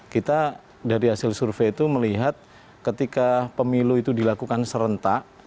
kita dari hasil survei itu melihat ketika pemilu itu dilakukan serentak